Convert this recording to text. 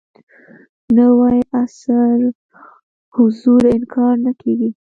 نوي عصر حضور انکار نه کېږي.